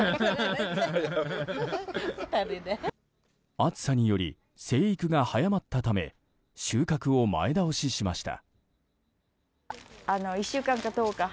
暑さにより生育が早まったため収穫を前倒ししました。